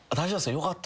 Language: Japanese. よかった。